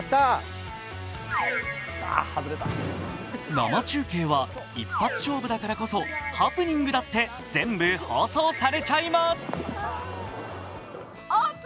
生中継は一発勝負だからこそ、ハプニングだって全部放送されちゃいます。